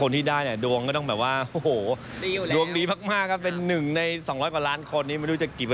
จริงก็ไม่ต้องคุยกันพอไปมาก